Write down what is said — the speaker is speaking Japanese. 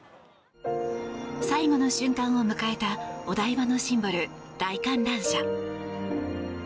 最後の瞬間を迎えたお台場のシンボル、大観覧車。